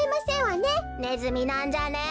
ねずみなんじゃね？